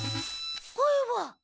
声は。